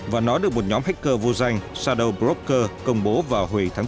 và nó được một nhóm hacker vô danh shadow broker công bố vào hồi tháng bốn